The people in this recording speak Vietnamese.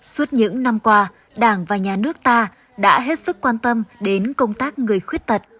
suốt những năm qua đảng và nhà nước ta đã hết sức quan tâm đến công tác người khuyết tật